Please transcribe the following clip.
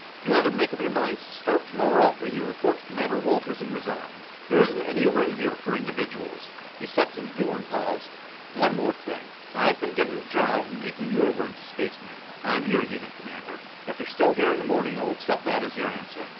You either make up your minds to start tomorrow or you report to Commander Walters and resign. There isn't any room here for individuals." He stepped to the door and paused. "One more thing. I've been given the job of making you over into spacemen. I'm your unit commander. If you're still here in the morning, I'll accept that as your answer.